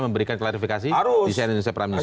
memberikan klarifikasi di cnn indonesia prime news